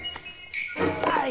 はい！